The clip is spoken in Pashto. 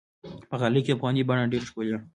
په غالۍ کې افغاني بڼه ډېره ښکلي وي.